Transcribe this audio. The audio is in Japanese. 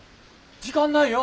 時間ないよ。